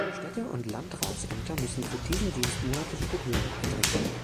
Städte und Landratsämter müssen für diesen Dienst monatliche Gebühren entrichten.